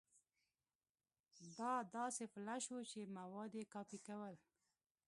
دا داسې فلش و چې مواد يې کاپي کول.